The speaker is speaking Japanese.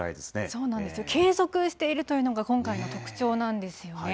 そうなんですよ。継続しているというのが今回の特徴なんですよね。